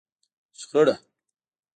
شخړه